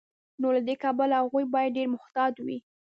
نو له دې کبله هغوی باید ډیر محتاط وي.